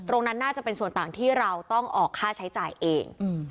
น่าจะเป็นส่วนต่างที่เราต้องออกค่าใช้จ่ายเอง